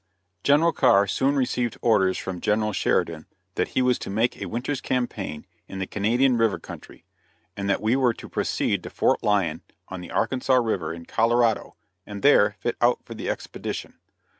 General Carr soon received orders from General Sheridan that he was to make a winter's campaign in the Canadian river country, and that we were to proceed to Fort Lyon, on the Arkansas river, in Colorado, and there fit out for the expedition.